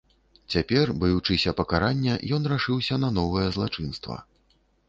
Цяпер, баючыся пакарання, ён рашыўся на новае злачынства.